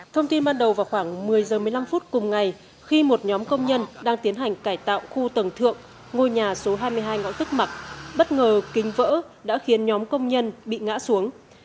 thông tin ban đầu vào khoảng một mươi h một mươi năm phút cùng ngày khi một nhóm công nhân đang tiến hành cải tạo khu tầng thượng ngôi nhà số hai mươi hai ngõ tức mặc bất ngờ kính vỡ đã khiến nhóm công nhân bị ngã xuống